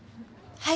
はい。